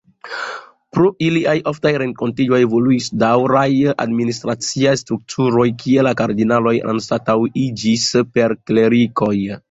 Pro iliaj oftaj renkontiĝoj evoluis daŭraj administraciaj strukturoj, kie la kardinaloj anstataŭiĝis per klerikoj.